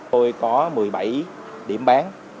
tôi có một mươi bảy điểm bán